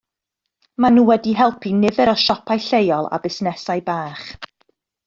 Maen nhw wedi helpu nifer o siopau lleol a busnesau bach